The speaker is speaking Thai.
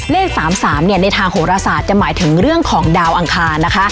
เลข๓๓ในทางโหรศาสตร์จะหมายถึงเรื่องของดาวอังคารนะคะ